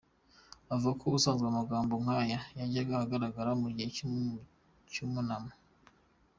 Avuga ko ubusanzwe amagambo nk’aya yajyaga agaragara mu gihe cy’icyunamo.